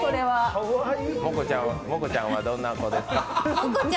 モコちゃんはどんな子ですか？